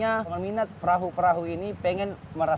jadi ini adalah satu perubahan yang sangat penting